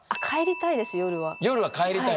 夜は帰りたい。